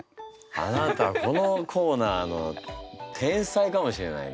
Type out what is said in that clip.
あなたこのコーナーの天才かもしれないね。